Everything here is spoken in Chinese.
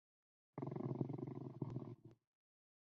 现任校长为杨清女士。